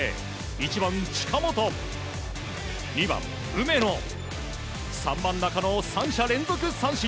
１番、近本２番、梅野３番、中野を３者連続三振。